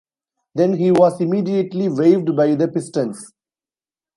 Then he was immediately waived by the Pistons.